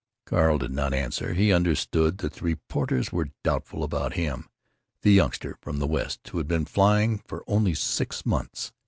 Carl did not answer. He understood that the reporters were doubtful about him, the youngster from the West who had been flying for only six months.